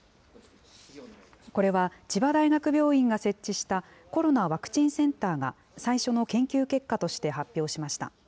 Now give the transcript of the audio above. これは、千葉大学病院が設置したコロナワクチンセンターが、最初の研究結果として発表しました。